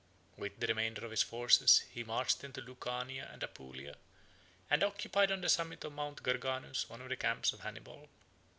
With the remainder of his forces he marched into Lucania and Apulia, and occupied on the summit of Mount Garganus 14 one of the camps of Hannibal.